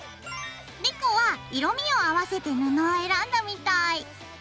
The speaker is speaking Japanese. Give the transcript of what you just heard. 莉子は色みを合わせて布を選んだみたい。